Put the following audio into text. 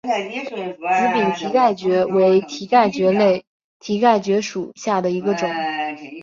紫柄蹄盖蕨为蹄盖蕨科蹄盖蕨属下的一个种。